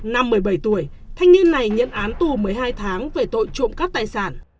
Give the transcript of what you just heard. năm một mươi bảy tuổi thanh niên này nhận án tù một mươi hai tháng về tội trộm cắp tài sản